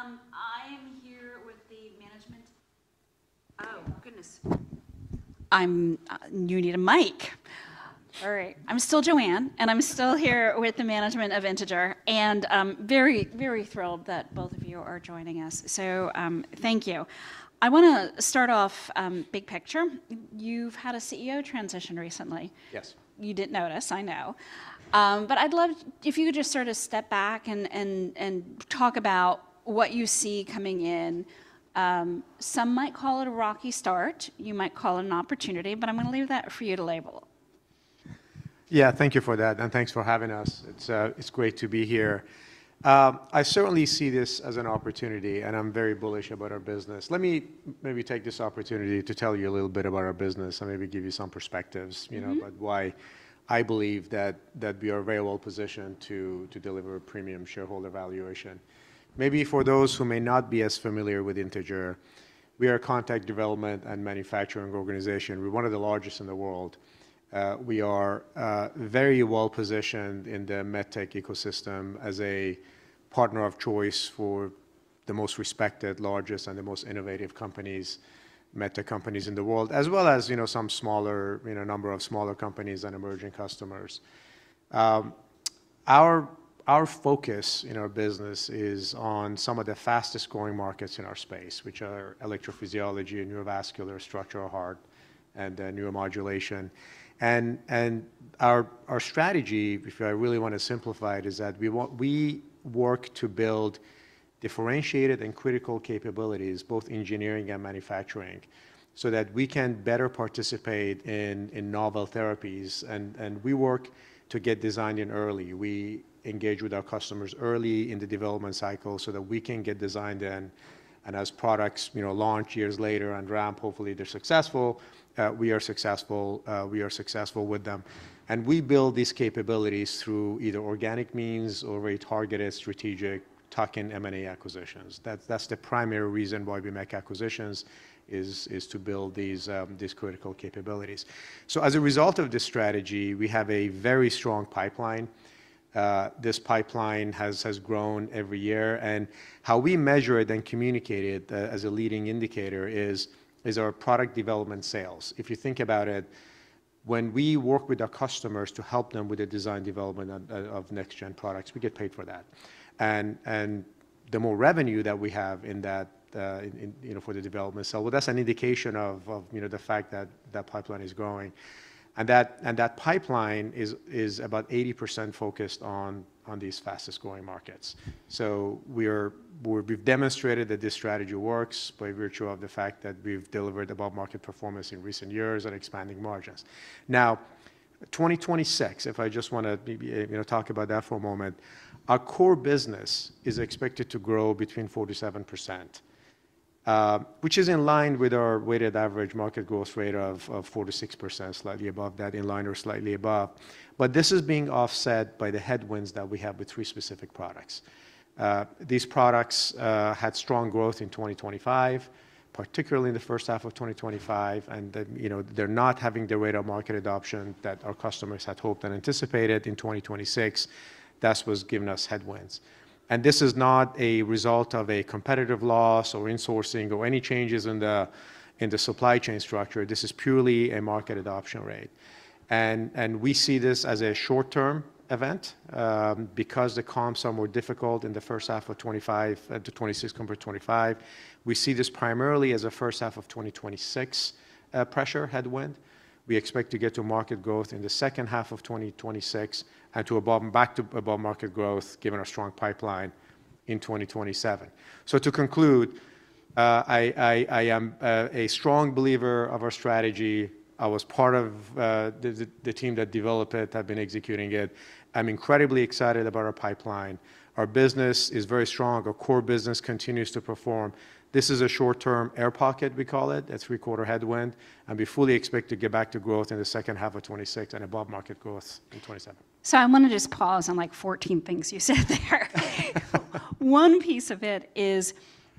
I am meant to be specific. There are a lot of healthcare analysts walking around here. I am here with the management. Oh, goodness. You need a mic. All right. I'm still Joanne, and I'm still here with the management of Integer. I'm very, very thrilled that both of you are joining us. Thank you. I want to start off big picture. You've had a CEO transition recently. Yes. You didn't notice, I know. But I'd love if you could just sort of step back and talk about what you see coming in. Some might call it a rocky start. You might call it an opportunity. But I'm going to leave that for you to label. Yeah, thank you for that. And thanks for having us. It's great to be here. I certainly see this as an opportunity, and I'm very bullish about our business. Let me maybe take this opportunity to tell you a little bit about our business and maybe give you some perspectives about why I believe that we are very well positioned to deliver a premium shareholder valuation. Maybe for those who may not be as familiar with Integer, we are a Contract Development and Manufacturing Organization. We're one of the largest in the world. We are very well positioned in the medtech ecosystem as a partner of choice for the most respected, largest, and the most innovative companies, medtech companies in the world, as well as some smaller number of smaller companies and emerging customers. Our focus in our business is on some of the fastest growing markets in our space, which are electrophysiology, neurovascular, structural heart, and neuromodulation, and our strategy, if I really want to simplify it, is that we work to build differentiated and critical capabilities, both engineering and manufacturing, so that we can better participate in novel therapies, and we work to get designed in early. We engage with our customers early in the development cycle so that we can get designed in, and as products launch years later and ramp, hopefully, they're successful. We are successful. We are successful with them, and we build these capabilities through either organic means or very targeted, strategic tuck-in M&A acquisitions. That's the primary reason why we make acquisitions is to build these critical capabilities. So as a result of this strategy, we have a very strong pipeline. This pipeline has grown every year. And how we measure it and communicate it as a leading indicator is our product development sales. If you think about it, when we work with our customers to help them with the design development of next-gen products, we get paid for that. And the more revenue that we have in that for the development sale, well, that's an indication of the fact that that pipeline is growing. And that pipeline is about 80% focused on these fastest-growing markets. So we've demonstrated that this strategy works by virtue of the fact that we've delivered above-market performance in recent years and expanding margins. Now, 2026, if I just want to maybe talk about that for a moment, our core business is expected to grow between 4%-7%, which is in line with our weighted average market growth rate of 4%-6%, slightly above that, in line or slightly above. But this is being offset by the headwinds that we have with three specific products. These products had strong growth in 2025, particularly in the first half of 2025. And they're not having the rate of market adoption that our customers had hoped and anticipated in 2026. That's what's giving us headwinds. And this is not a result of a competitive loss, or insourcing, or any changes in the supply chain structure. This is purely a market adoption rate. We see this as a short-term event because the comps are more difficult in the first half of 2025 to 2026 compared to 2025. We see this primarily as a first-half-of-2026 pressure headwind. We expect to get to market growth in the second half of 2026 and back to above-market growth, given our strong pipeline, in 2027. To conclude, I am a strong believer of our strategy. I was part of the team that developed it. I've been executing it. I'm incredibly excited about our pipeline. Our business is very strong. Our core business continues to perform. This is a short-term air pocket, we call it, a three-quarter headwind. We fully expect to get back to growth in the second half of 2026 and above-market growth in 2027. So, I want to just pause on like 14 things you said there. One piece of it is,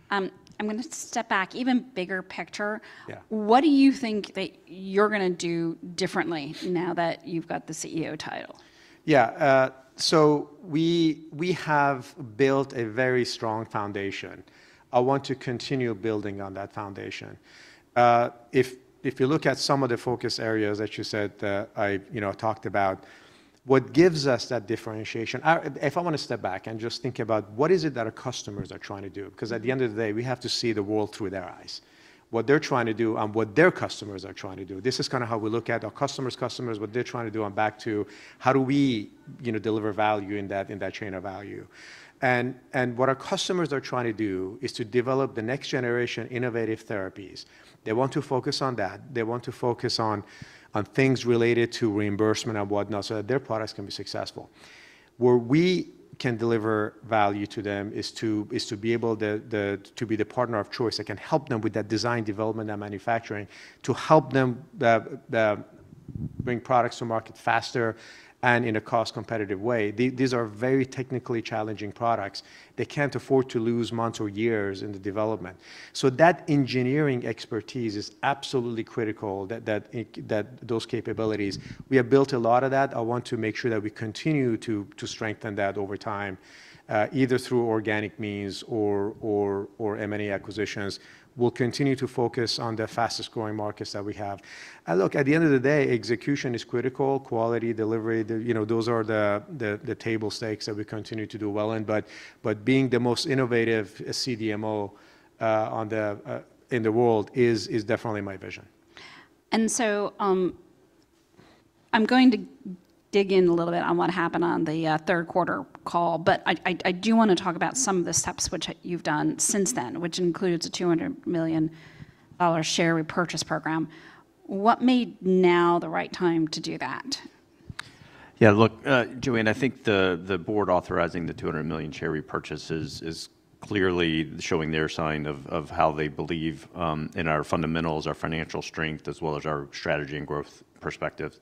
I'm going to step back, even bigger picture. What do you think that you're going to do differently now that you've got the CEO title? Yeah. So we have built a very strong foundation. I want to continue building on that foundation. If you look at some of the focus areas that you said that I talked about, what gives us that differentiation? If I want to step back and just think about what is it that our customers are trying to do? Because at the end of the day, we have to see the world through their eyes. What they're trying to do and what their customers are trying to do. This is kind of how we look at our customers, what they're trying to do. I'm back to how do we deliver value in that chain of value? And what our customers are trying to do is to develop the next generation innovative therapies. They want to focus on that. They want to focus on things related to reimbursement and whatnot so that their products can be successful. Where we can deliver value to them is to be able to be the partner of choice that can help them with that design development and manufacturing to help them bring products to market faster and in a cost-competitive way. These are very technically challenging products. They can't afford to lose months or years in the development. So that engineering expertise is absolutely critical, those capabilities. We have built a lot of that. I want to make sure that we continue to strengthen that over time, either through organic means or M&A acquisitions. We'll continue to focus on the fastest-growing markets that we have. Look, at the end of the day, execution is critical. Quality, delivery, those are the table stakes that we continue to do well in. But being the most innovative CDMO in the world is definitely my vision. And so I'm going to dig in a little bit on what happened on the Q3 call. But I do want to talk about some of the steps which you've done since then, which includes a $200 million share repurchase program. What made now the right time to do that? Yeah. Look, Joanne, I think the board authorizing the $200 million share repurchase is clearly showing their sign of how they believe in our fundamentals, our financial strength, as well as our strategy and growth perspective.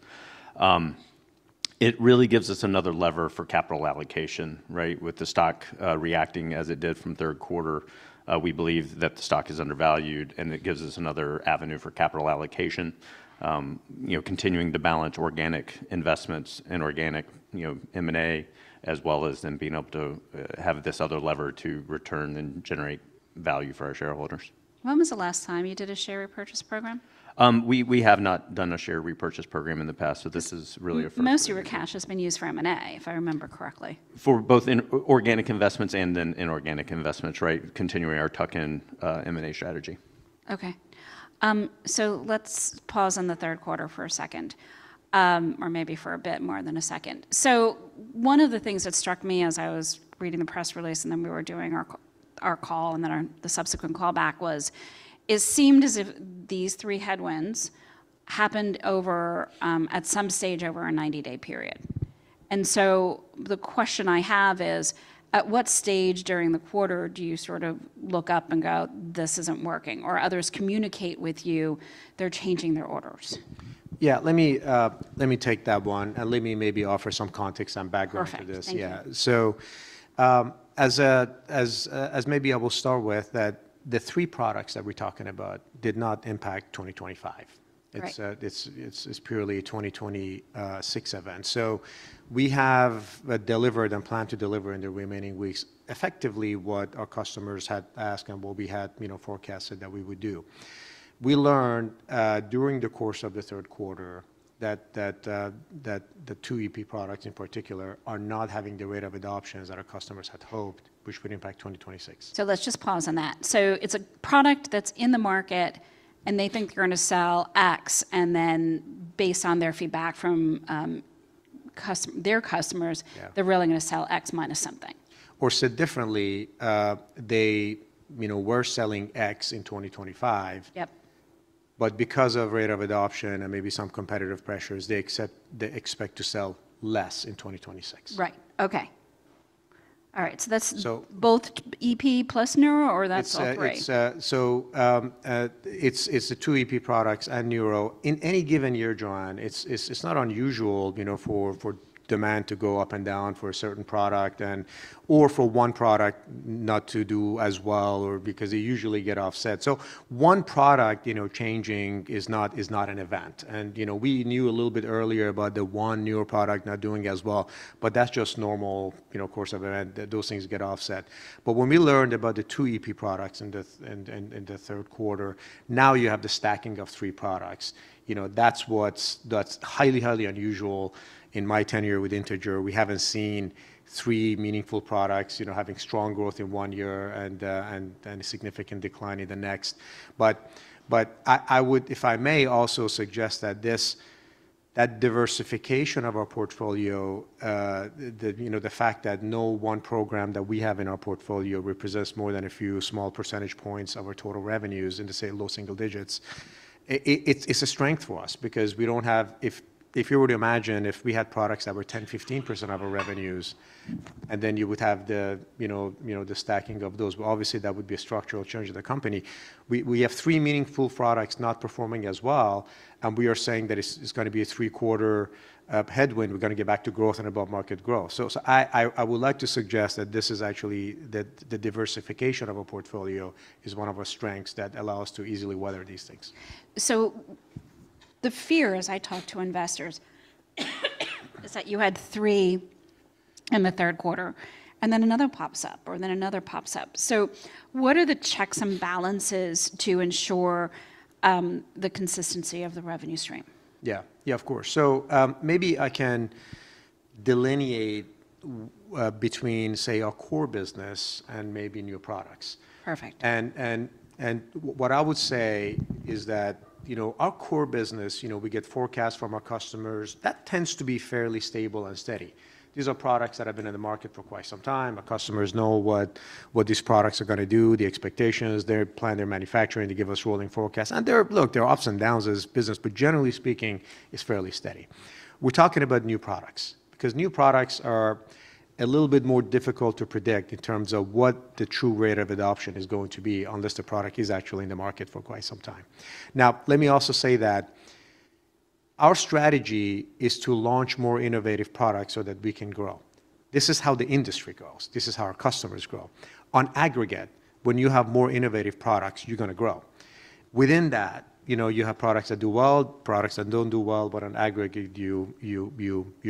It really gives us another lever for capital allocation, right? With the stock reacting as it did from Q3, we believe that the stock is undervalued, and it gives us another avenue for capital allocation, continuing to balance organic investments and organic M&A, as well as then being able to have this other lever to return and generate value for our shareholders. When was the last time you did a share repurchase program? We have not done a share repurchase program in the past, so this is really a first. Most of your cash has been used for M&A, if I remember correctly. For both organic investments and then inorganic investments, right, continuing our targeted M&A strategy. Okay. So let's pause on the Q3 for a second, or maybe for a bit more than a second. So one of the things that struck me as I was reading the press release and then we were doing our call, and then the subsequent callback was, it seemed as if these three headwinds happened at some stage over a 90-day period. And so the question I have is, at what stage during the quarter do you sort of look up and go, "This isn't working," or others communicate with you, "They're changing their orders"? Yeah. Let me take that one. And let me maybe offer some context and background for this. Perfect. Yeah. So maybe I will start with that, the three products that we're talking about did not impact 2025. It's purely a 2026 event. So we have delivered and plan to deliver in the remaining weeks effectively what our customers had asked and what we had forecasted that we would do. We learned during the course of the Q3 that the two EP products in particular are not having the rate of adoptions that our customers had hoped, which would impact 2026. So let's just pause on that. So it's a product that's in the market, and they think they're going to sell X. And then based on their feedback from their customers, they're really going to sell X minus something. Or said differently, they were selling X in 2025. Yep. But because of rate of adoption and maybe some competitive pressures, they expect to sell less in 2026. Right. Okay. All right. So that's both EP plus Neuro, or that's all right? It's the two EP products and Neuro. In any given year, Joanne, it's not unusual for demand to go up and down for a certain product or for one product not to do as well because they usually get offset. So one product changing is not an event. And we knew a little bit earlier about the one Neuro product not doing as well. But that's just normal course of events. Those things get offset. But when we learned about the two EP products in the Q3, now you have the stacking of three products. That's what's highly, highly unusual. In my tenure with Integer, we haven't seen three meaningful products having strong growth in one year and a significant decline in the next. But if I may also suggest that diversification of our portfolio, the fact that no one program that we have in our portfolio represents more than a few small percentage points of our total revenues, in say, low single digits, it's a strength for us because we don't have, if you were to imagine, if we had products that were 10%, 15% of our revenues, and then you would have the stacking of those, obviously, that would be a structural change of the company. We have three meaningful products not performing as well, and we are saying that it's going to be a three-quarter headwind. We're going to get back to growth and above-market growth, so I would like to suggest that this is actually the diversification of our portfolio is one of our strengths that allow us to easily weather these things. So the fear, as I talk to investors, is that you had three in the Q3, and then another pops up, or then another pops up. So what are the checks and balances to ensure the consistency of the revenue stream? Yeah. Yeah, of course. So maybe I can delineate between, say, our core business and maybe new products. Perfect. And what I would say is that our core business, we get forecasts from our customers. That tends to be fairly stable and steady. These are products that have been in the market for quite some time. Our customers know what these products are going to do, the expectations. They plan their manufacturing to give us rolling forecasts. And look, there are ups and downs as business. But generally speaking, it's fairly steady. We're talking about new products because new products are a little bit more difficult to predict in terms of what the true rate of adoption is going to be, unless the product is actually in the market for quite some time. Now, let me also say that our strategy is to launch more innovative products so that we can grow. This is how the industry grows. This is how our customers grow. On aggregate, when you have more innovative products, you're going to grow. Within that, you have products that do well, products that don't do well, but on aggregate, you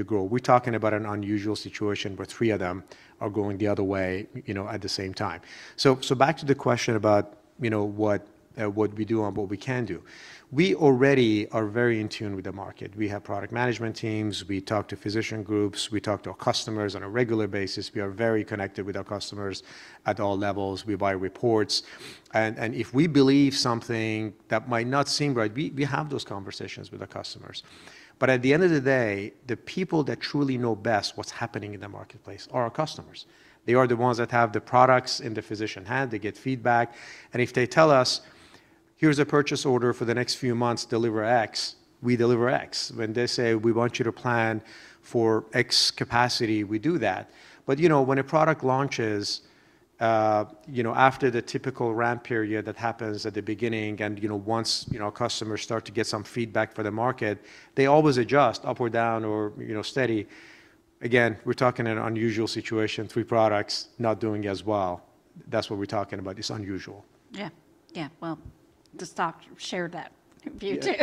grow. We're talking about an unusual situation where three of them are going the other way at the same time. So, back to the question about what we do and what we can do. We already are very in tune with the market. We have product management teams. We talk to physician groups. We talk to our customers on a regular basis. We are very connected with our customers at all levels. We buy reports. And if we believe something that might not seem right, we have those conversations with our customers. But at the end of the day, the people that truly know best what's happening in the marketplace are our customers. They are the ones that have the products in the physicians' hands. They get feedback, and if they tell us, "Here's a purchase order for the next few months. Deliver X," we deliver X. When they say, "We want you to plan for X capacity," we do that, but when a product launches after the typical ramp period that happens at the beginning and once customers start to get some feedback from the market, they always adjust up or down or steady. Again, we're talking about an unusual situation. Three products not doing as well. That's what we're talking about. It's unusual. Yeah. Yeah, well, the stock shared that view too.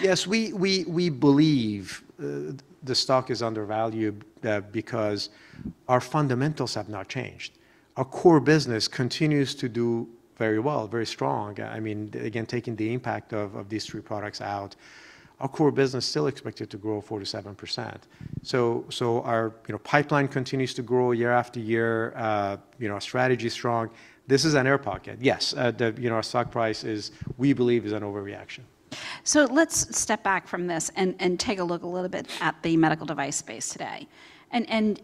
Yes. We believe the stock is undervalued because our fundamentals have not changed. Our core business continues to do very well, very strong. I mean, again, taking the impact of these three products out, our core business is still expected to grow 4%-7%. So our pipeline continues to grow year after year. Our strategy is strong. This is an air pocket. Yes. Our stock price, we believe, is an overreaction. So let's step back from this and take a look a little bit at the medical device space today. And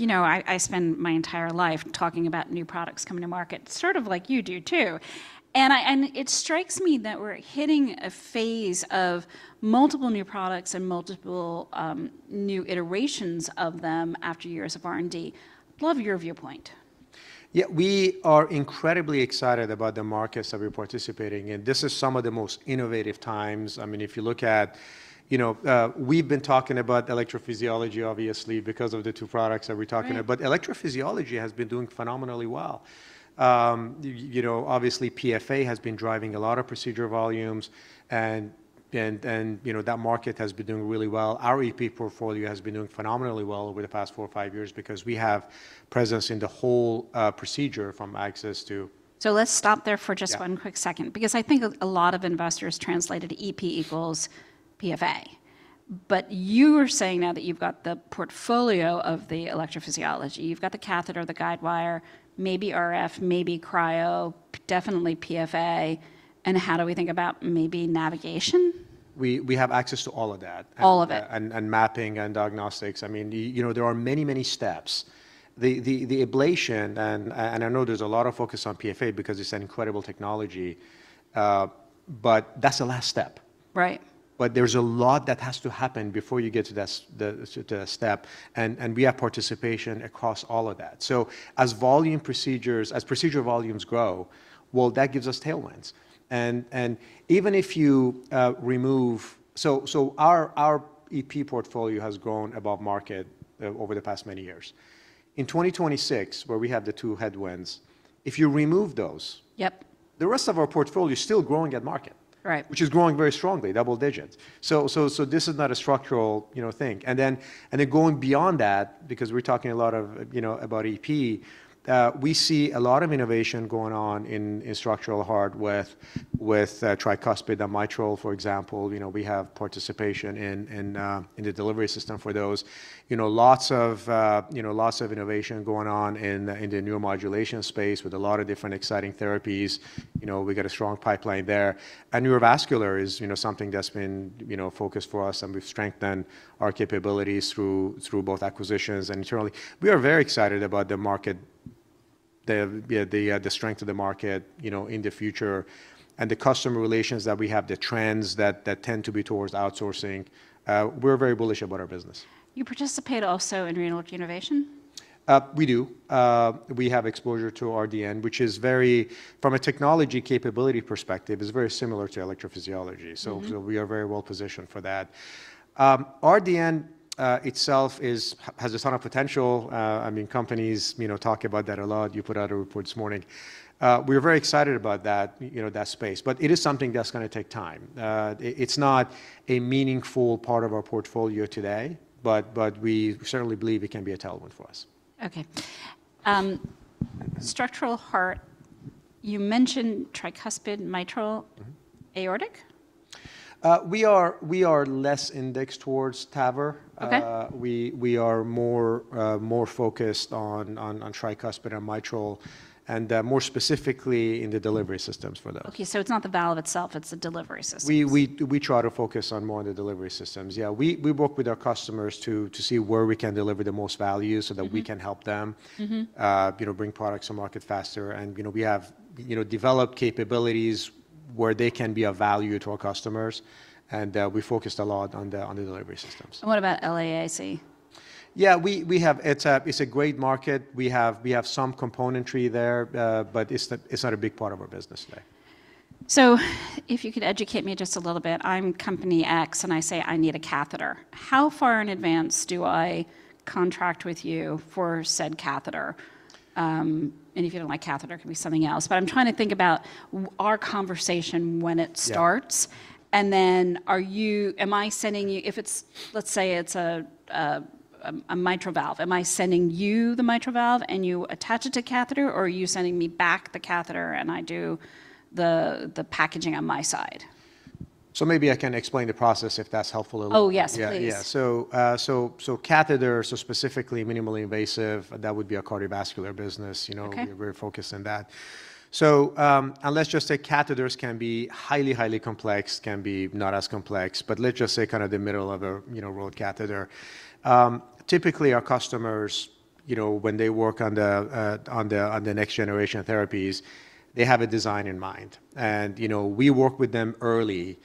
I spend my entire life talking about new products coming to market, sort of like you do too. And it strikes me that we're hitting a phase of multiple new products and multiple new iterations of them after years of R&D. Love your viewpoint. Yeah. We are incredibly excited about the markets that we're participating in. This is some of the most innovative times. I mean, if you look at we've been talking about electrophysiology, obviously, because of the two products that we're talking about. But electrophysiology has been doing phenomenally well. Obviously, PFA has been driving a lot of procedure volumes. And that market has been doing really well. Our EP portfolio has been doing phenomenally well over the past four or five years because we have presence in the whole procedure from access to. So let's stop there for just one quick second because I think a lot of investors translated EP equals PFA. But you are saying now that you've got the portfolio of the electrophysiology, you've got the catheter, the guidewire, maybe RF, maybe cryo, definitely PFA. And how do we think about maybe navigation? We have access to all of that. All of it. And mapping and diagnostics. I mean, there are many, many steps. The ablation, and I know there's a lot of focus on PFA because it's an incredible technology, but that's the last step. Right. But there's a lot that has to happen before you get to that step. And we have participation across all of that. So as procedure volumes grow, well, that gives us tailwinds. And even if you remove, so our EP portfolio has grown above market over the past many years. In 2026, where we have the two headwinds, if you remove those, the rest of our portfolio is still growing at market, which is growing very strongly, double digits. So this is not a structural thing. And then going beyond that, because we're talking a lot about EP, we see a lot of innovation going on in structural heart with tricuspid and mitral, for example. We have participation in the delivery system for those. Lots of innovation going on in the neuromodulation space with a lot of different exciting therapies. We've got a strong pipeline there. Neurovascular is something that's been focused for us. We've strengthened our capabilities through both acquisitions and internally. We are very excited about the strength of the market in the future and the customer relations that we have, the trends that tend to be towards outsourcing. We're very bullish about our business. You participate also in renal innovation? We do. We have exposure to RDN, which is very from a technology capability perspective, is very similar to electrophysiology. So we are very well positioned for that. RDN itself has a ton of potential. I mean, companies talk about that a lot. You put out a report this morning. We are very excited about that space. But it is something that's going to take time. It's not a meaningful part of our portfolio today, but we certainly believe it can be a tailwind for us. Okay. Structural heart, you mentioned tricuspid, mitral, aortic? We are less indexed towards TAVR. We are more focused on tricuspid and mitral, and more specifically, in the delivery systems for those. Okay. So it's not the valve itself. It's the delivery systems. We try to focus more on the delivery systems. Yeah. We work with our customers to see where we can deliver the most value so that we can help them bring products to market faster. We have developed capabilities where they can be of value to our customers. We focused a lot on the delivery systems. What about LAAC? Yeah. It's a great market. We have some componentry there, but it's not a big part of our business today. So if you could educate me just a little bit. I'm company X, and I say, "I need a catheter." How far in advance do I contract with you for said catheter? And if you don't like catheter, it could be something else. But I'm trying to think about our conversation when it starts. And then am I sending you if it's, let's say, it's a mitral valve, am I sending you the mitral valve and you attach it to a catheter, or are you sending me back the catheter and I do the packaging on my side? So maybe I can explain the process if that's helpful a little. Oh, yes. Please. Yeah. Yeah. So, catheter—so specifically minimally invasive—that would be a cardiovascular business. We're very focused on that. And let's just say catheters can be highly, highly complex, can be not as complex. But let's just say kind of the middle-of-the-road catheter. Typically, our customers, when they work on the next-generation therapies, they have a design in mind. And we work with them early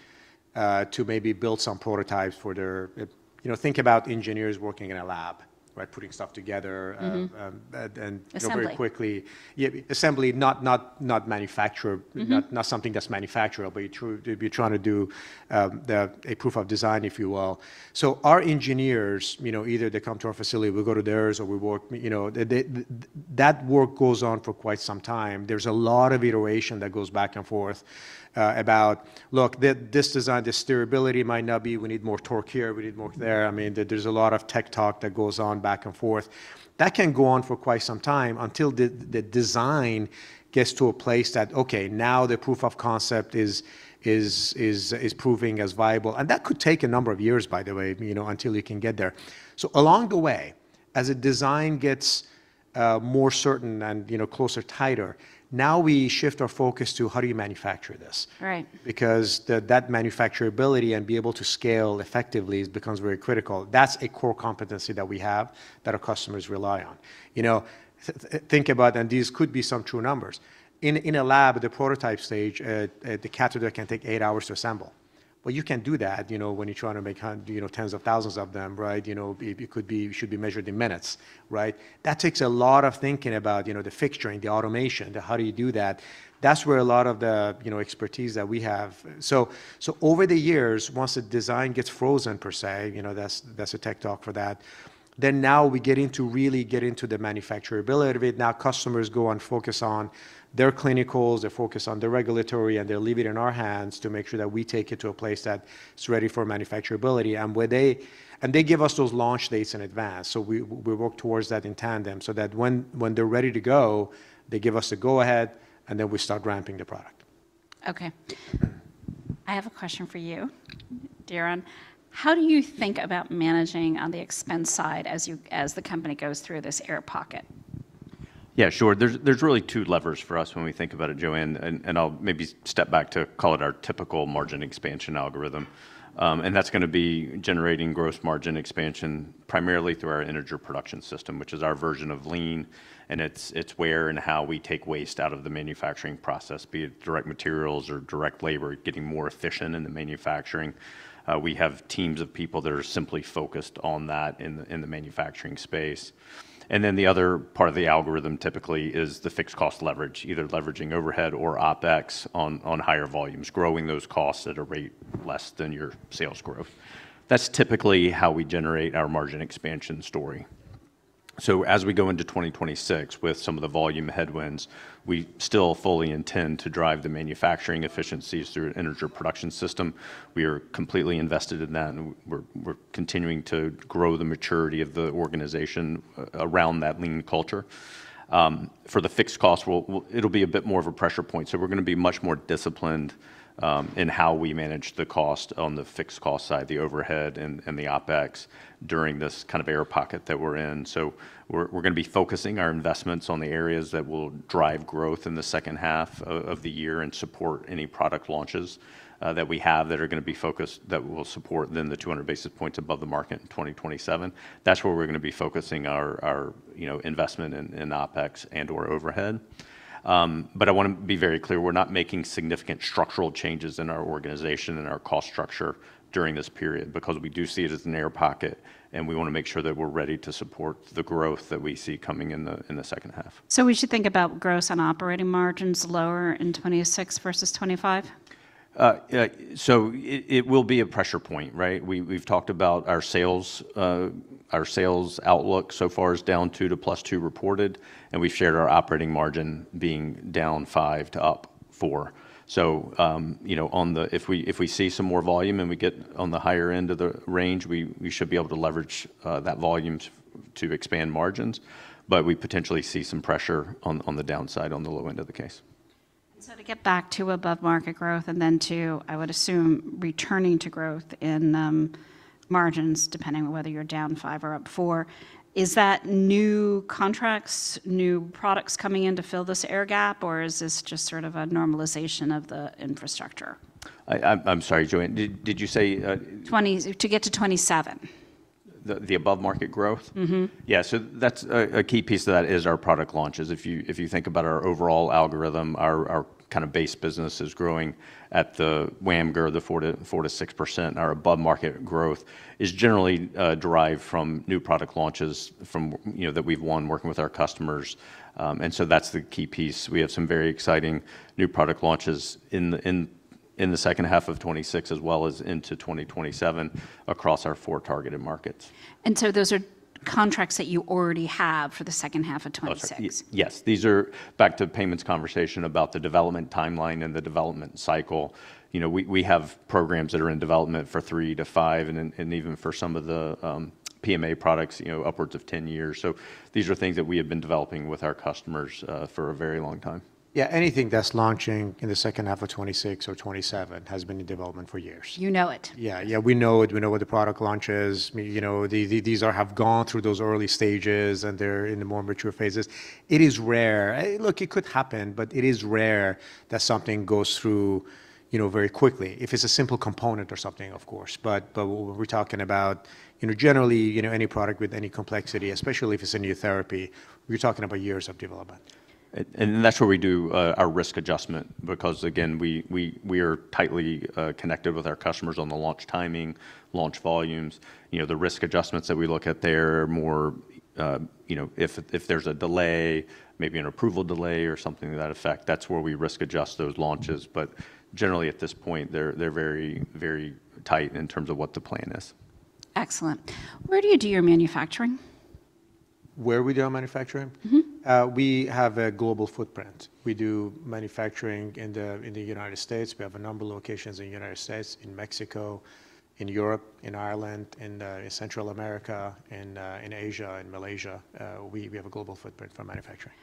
to maybe build some prototypes for them to think about engineers working in a lab, right, putting stuff together. Assembly. Very quickly assembly, not manufacture, not something that's manufacturable. You're trying to do a proof of design, if you will. Our engineers, either they come to our facility, we go to theirs, or we work that goes on for quite some time. There's a lot of iteration that goes back and forth about, "Look, this design, this durability might not be. We need more torque here. We need more there." I mean, there's a lot of tech talk that goes on back and forth. That can go on for quite some time until the design gets to a place that, "Okay. Now the proof of concept is proving as viable." That could take a number of years, by the way, until you can get there. So along the way, as a design gets more certain and closer, tighter, now we shift our focus to how do you manufacture this, because that manufacturability and being able to scale effectively becomes very critical. That's a core competency that we have that our customers rely on. Think about, and these could be some true numbers. In a lab, at the prototype stage, the catheter can take eight hours to assemble. Well, you can do that when you're trying to make tens of thousands of them, right? It should be measured in minutes, right? That takes a lot of thinking about the fixturing, the automation, how do you do that. That's where a lot of the expertise that we have. So over the years, once the design gets frozen, per se, that's a tech talk for that. Then now we really get into the manufacturability of it. Now, customers go and focus on their clinicals. They focus on the regulatory. And they leave it in our hands to make sure that we take it to a place that's ready for manufacturability. And they give us those launch dates in advance. So we work towards that in tandem so that when they're ready to go, they give us a go-ahead, and then we start ramping the product. Okay. I have a question for you, Diron. How do you think about managing on the expense side as the company goes through this air pocket? Yeah. Sure. There's really two levers for us when we think about it, Joanne. And I'll maybe step back to call it our typical margin expansion algorithm. And that's going to be generating gross margin expansion primarily through our Integer Production System, which is our version of lean. And it's where and how we take waste out of the manufacturing process, be it direct materials or direct labor, getting more efficient in the manufacturing. We have teams of people that are simply focused on that in the manufacturing space. And then the other part of the algorithm typically is the fixed cost leverage, either leveraging overhead or OpEx on higher volumes, growing those costs at a rate less than your sales growth. That's typically how we generate our margin expansion story. So as we go into 2026 with some of the volume headwinds, we still fully intend to drive the manufacturing efficiencies through an Integer Production System. We are completely invested in that. And we're continuing to grow the maturity of the organization around that lean culture. For the fixed cost, it'll be a bit more of a pressure point. So we're going to be much more disciplined in how we manage the cost on the fixed cost side, the overhead, and the OpEx during this kind of air pocket that we're in. So we're going to be focusing our investments on the areas that will drive growth in the second half of the year and support any product launches that we have that are going to be focused that will support then the 200 basis points above the market in 2027. That's where we're going to be focusing our investment in OpEx and/or overhead. But I want to be very clear. We're not making significant structural changes in our organization and our cost structure during this period because we do see it as an air pocket, and we want to make sure that we're ready to support the growth that we see coming in the second half. So, we should think about gross and operating margins lower in 2026 versus 2025? So it will be a pressure point, right? We've talked about our sales outlook so far is down 2% to +2% reported. And we've shared our operating margin being down 5 to up 4. So if we see some more volume and we get on the higher end of the range, we should be able to leverage that volume to expand margins. But we potentially see some pressure on the downside on the low end of the case. And so to get back to above market growth and then to, I would assume, returning to growth in margins, depending on whether you're down five or up four, is that new contracts, new products coming in to fill this air gap, or is this just sort of a normalization of the infrastructure? I'm sorry, Joanne. Did you say? 2026 to get to 2027. The above market growth? Mm-hmm. Yeah. So a key piece of that is our product launches. If you think about our overall algorithm, our kind of base business is growing at the WAMGR, the 4%-6%. Our above-market growth is generally derived from new product launches that we've won working with our customers. And so that's the key piece. We have some very exciting new product launches in the second half of 2026, as well as into 2027, across our four targeted markets. And so those are contracts that you already have for the second half of 2026? Yes. These are back to the payments conversation about the development timeline and the development cycle. We have programs that are in development for three to five, and even for some of the PMA products upwards of 10 years. So these are things that we have been developing with our customers for a very long time. Yeah. Anything that's launching in the second half of 2026 or 2027 has been in development for years. You know it. Yeah. Yeah. We know it. We know what the product launch is. These have gone through those early stages, and they're in the more mature phases. It is rare. Look, it could happen, but it is rare that something goes through very quickly if it's a simple component or something, of course. But when we're talking about generally any product with any complexity, especially if it's a new therapy, you're talking about years of development. And that's where we do our risk adjustment because, again, we are tightly connected with our customers on the launch timing, launch volumes. The risk adjustments that we look at there are more if there's a delay, maybe an approval delay or something to that effect, that's where we risk adjust those launches. But generally, at this point, they're very tight in terms of what the plan is. Excellent. Where do you do your manufacturing? Where we do our manufacturing? Mm-hmm. We have a global footprint. We do manufacturing in the United States. We have a number of locations in the United States, in Mexico, in Europe, in Ireland, in Central America, in Asia, in Malaysia. We have a global footprint for manufacturing.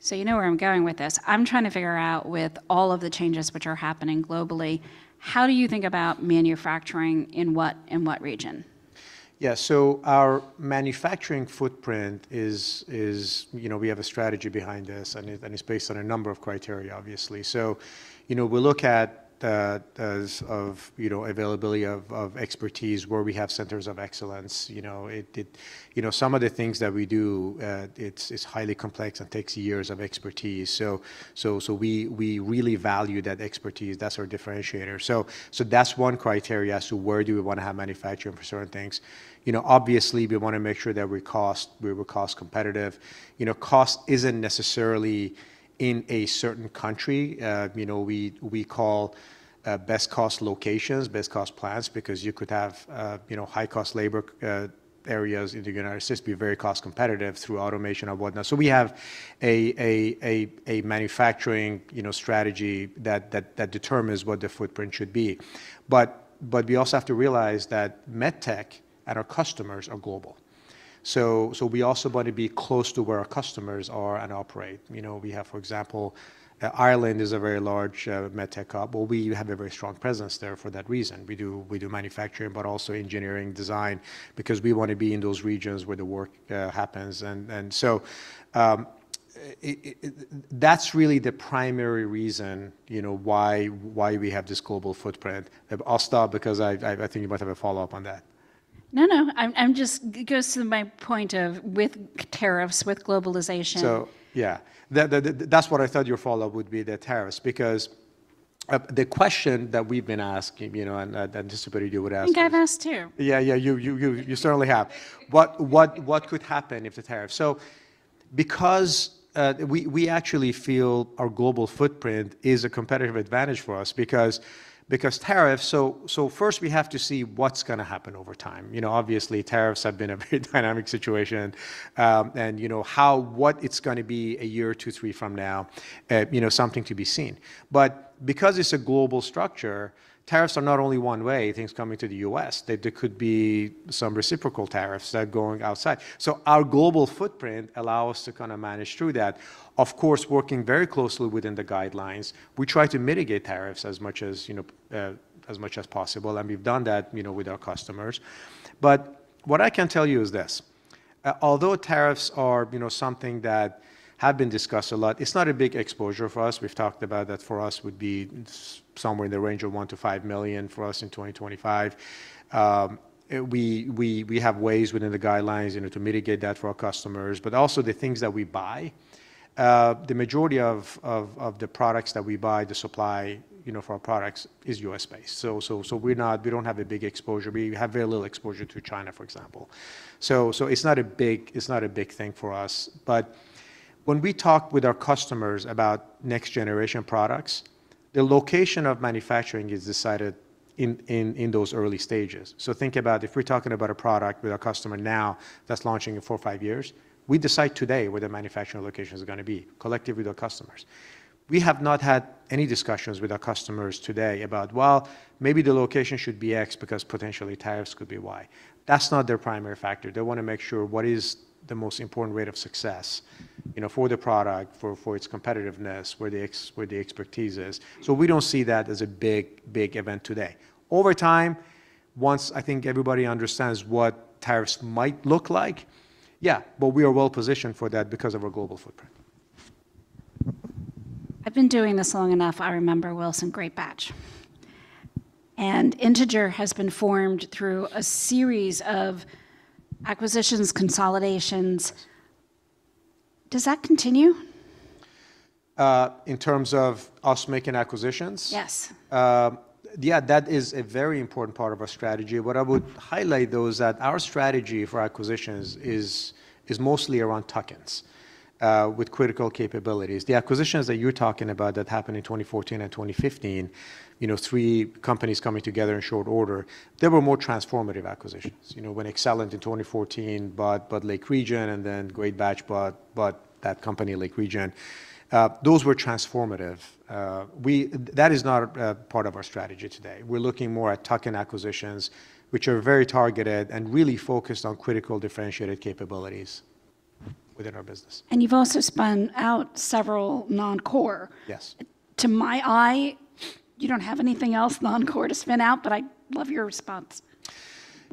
So you know where I'm going with this. I'm trying to figure out, with all of the changes which are happening globally, how do you think about manufacturing in what region? Yeah. So our manufacturing footprint is, we have a strategy behind this, and it's based on a number of criteria, obviously. So we look at those of availability of expertise where we have centers of excellence. Some of the things that we do it's highly complex and takes years of expertise. So we really value that expertise. That's our differentiator. So that's one criteria as to where do we want to have manufacturing for certain things. Obviously, we want to make sure that we're cost-competitive. Cost isn't necessarily in a certain country. We call best cost locations, best cost plants, because you could have high cost labor areas in the United States be very cost competitive through automation or whatnot. So we have a manufacturing strategy that determines what the footprint should be. But we also have to realize that medtech and our customers are global. So we also want to be close to where our customers are and operate. We have, for example, Ireland is a very large medtech hub. Well, we have a very strong presence there for that reason. We do manufacturing, but also engineering design, because we want to be in those regions where the work happens. And so that's really the primary reason why we have this global footprint. I'll stop because I think you might have a follow-up on that. No, no. It goes to my point of with tariffs, with globalization. So yeah. That's what I thought your follow-up would be, the tariffs, because the question that we've been asking, and I anticipated you would ask. I think I've asked too. Yeah. Yeah. You certainly have. What could happen if the tariffs? So, because we actually feel our global footprint is a competitive advantage for us, because tariffs so first, we have to see what's going to happen over time. Obviously, tariffs have been a very dynamic situation. And what it's going to be a year, two, three from now, something to be seen. But because it's a global structure, tariffs are not only one way. Things coming to the U.S., there could be some reciprocal tariffs that are going outside. So our global footprint allows us to kind of manage through that, of course, working very closely within the guidelines. We try to mitigate tariffs as much as possible. And we've done that with our customers. But what I can tell you is this. Although tariffs are something that have been discussed a lot, it's not a big exposure for us. We've talked about that for us would be somewhere in the range of $1 million-$5 million for us in 2025. We have ways within the guidelines to mitigate that for our customers. But also the things that we buy, the majority of the products that we buy, the supply for our products is U.S.-based. So we don't have a big exposure. We have very little exposure to China, for example. So it's not a big thing for us. But when we talk with our customers about next-generation products, the location of manufacturing is decided in those early stages. So think about if we're talking about a product with our customer now that's launching in four or five years, we decide today where the manufacturing location is going to be, collectively with our customers. We have not had any discussions with our customers today about, "Well, maybe the location should be X because potentially tariffs could be Y." That's not their primary factor. They want to make sure what is the most important rate of success for the product, for its competitiveness, where the expertise is. So we don't see that as a big event today. Over time, once I think everybody understands what tariffs might look like, yeah, but we are well-positioned for that because of our global footprint. I've been doing this long enough. I remember Wilson Greatbatch, and Integer has been formed through a series of acquisitions, consolidations. Does that continue? In terms of us making acquisitions? Yes. Yeah. That is a very important part of our strategy. What I would highlight, though, is that our strategy for acquisitions is mostly around tuck-ins with critical capabilities. The acquisitions that you're talking about that happened in 2014 and 2015, three companies coming together in short order, there were more transformative acquisitions. When Accellent in 2014 bought Lake Region and then Greatbatch bought that company, Lake Region, those were transformative. That is not part of our strategy today. We're looking more at tuck-in acquisitions, which are very targeted and really focused on critical differentiated capabilities within our business. And you've also spun out several non-core. Yes. To my eye, you don't have anything else non-core to spin out, but I love your response.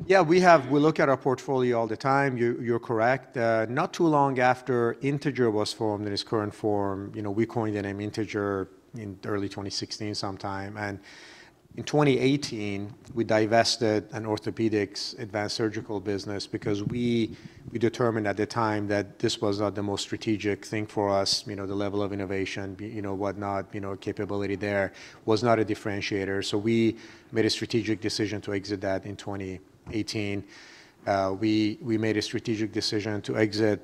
Yeah. We look at our portfolio all the time. You're correct. Not too long after Integer was formed in its current form, we coined the name Integer in early 2016 sometime and in 2018, we divested an orthopedics advanced surgical business because we determined at the time that this was not the most strategic thing for us, the level of innovation, whatnot, capability there was not a differentiator so we made a strategic decision to exit that in 2018. We made a strategic decision to exit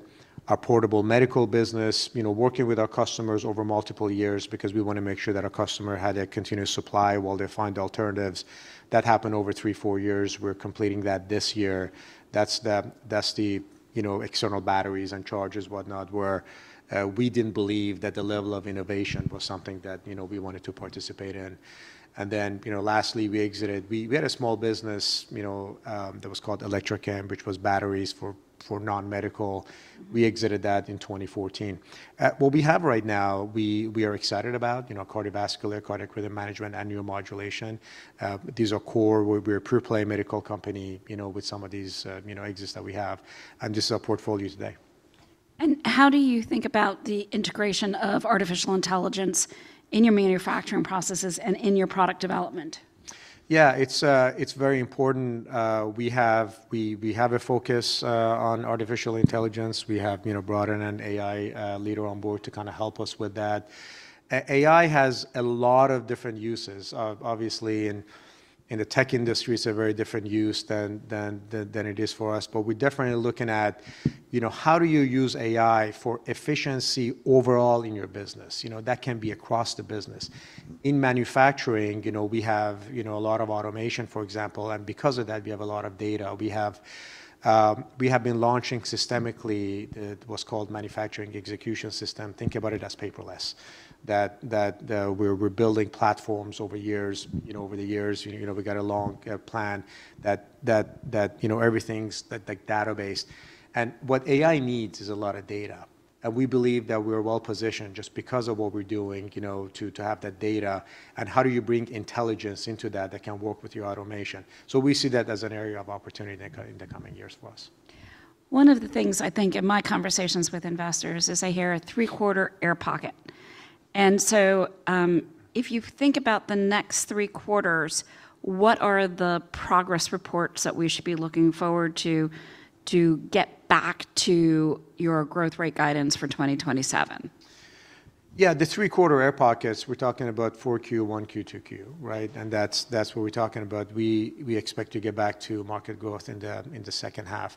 our portable medical business, working with our customers over multiple years, because we want to make sure that our customer had a continuous supply while they find alternatives. That happened over three, four years. We're completing that this year. That's the external batteries and chargers, whatnot, where we didn't believe that the level of innovation was something that we wanted to participate in. And then lastly, we exited. We had a small business that was called Electrochem, which was batteries for non-medical. We exited that in 2014. What we have right now, we are excited about cardiovascular, cardiac rhythm management, and neuromodulation. These are core. We're a pure-play medical company with some of these exits that we have. And this is our portfolio today. How do you think about the integration of artificial intelligence in your manufacturing processes and in your product development? Yeah. It's very important. We have a focus on artificial intelligence. We have brought in an AI leader on board to kind of help us with that. AI has a lot of different uses. Obviously, in the tech industry, it's a very different use than it is for us. But we're definitely looking at how do you use AI for efficiency overall in your business? That can be across the business. In manufacturing, we have a lot of automation, for example. And because of that, we have a lot of data. We have been launching systematically what's called Manufacturing Execution System. Think about it as paperless. We're building platforms over the years. We got a long plan that everything's like database. And what AI needs is a lot of data. And we believe that we are well-positioned just because of what we're doing to have that data. How do you bring intelligence into that that can work with your automation? We see that as an area of opportunity in the coming years for us. One of the things I think in my conversations with investors is I hear a three-quarter air pocket. And so if you think about the next three quarters, what are the progress reports that we should be looking forward to get back to your growth rate guidance for 2027? Yeah. The three-quarter air pockets, we're talking about 4Q, 1Q, 2Q, right? And that's what we're talking about. We expect to get back to market growth in the second half.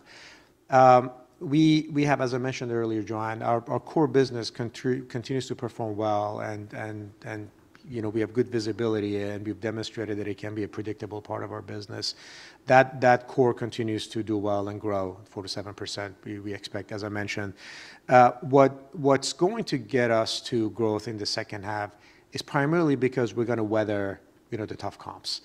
We have, as I mentioned earlier, Joanne, our core business continues to perform well. And we have good visibility, and we've demonstrated that it can be a predictable part of our business. That core continues to do well and grow 4%-7%, we expect, as I mentioned. What's going to get us to growth in the second half is primarily because we're going to weather the tough comps.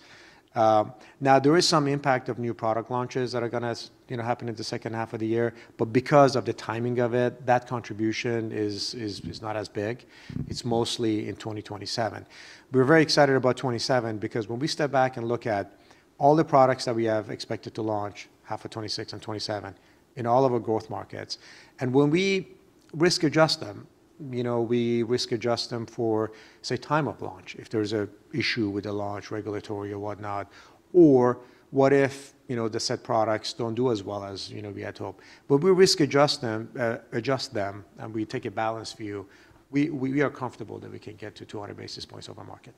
Now, there is some impact of new product launches that are going to happen in the second half of the year. But because of the timing of it, that contribution is not as big. It's mostly in 2027. We're very excited about 2027 because when we step back and look at all the products that we have expected to launch half of 2026 and 2027 in all of our growth markets, and when we risk adjust them, we risk adjust them for, say, time of launch if there's an issue with the launch regulatory or whatnot, or what if the said products don't do as well as we had hoped. But we risk adjust them, and we take a balanced view. We are comfortable that we can get to 200 basis points of our market.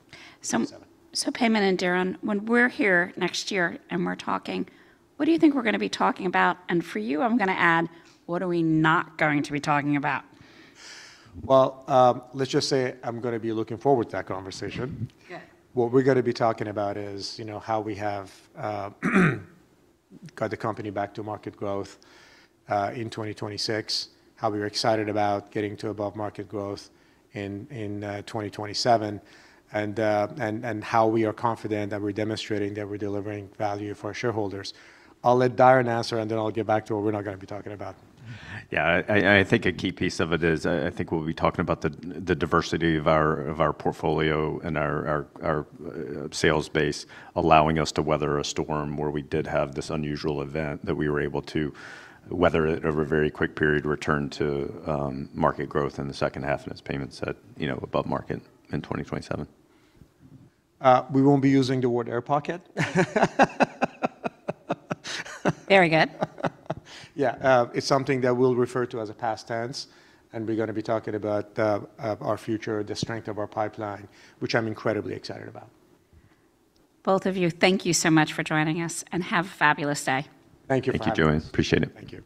So Payman and Diron, when we're here next year and we're talking, what do you think we're going to be talking about? And for you, I'm going to add, what are we not going to be talking about? Let's just say I'm going to be looking forward to that conversation. What we're going to be talking about is how we have got the company back to market growth in 2026, how we were excited about getting to above market growth in 2027, and how we are confident that we're demonstrating that we're delivering value for our shareholders. I'll let Diron answer, and then I'll get back to what we're not going to be talking about. Yeah. I think a key piece of it is I think we'll be talking about the diversity of our portfolio and our sales base, allowing us to weather a storm where we did have this unusual event that we were able to weather it over a very quick period, return to market growth in the second half, and it's Payman said above market in 2027. We won't be using the word air pocket. Very good. Yeah. It's something that we'll refer to as a past tense. And we're going to be talking about our future, the strength of our pipeline, which I'm incredibly excited about. Both of you, thank you so much for joining us, and have a fabulous day. Thank you for having us. Thank you, Joanne. Appreciate it. Thank you.